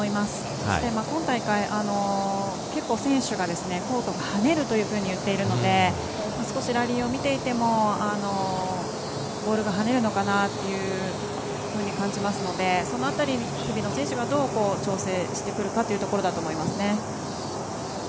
そして今大会、結構選手がコート、跳ねるというふうにいっているので少しラリーを見ていてもボールが跳ねるのかなと感じますのでその辺りに日比野選手がどう調整してくるかというところだと思います。